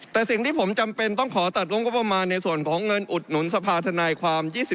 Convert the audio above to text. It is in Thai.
แต่สิ่งที่ผมจำเป็นต้องขอตัดงบประมาณในส่วนของเงินอุดหนุนสภาธนายความ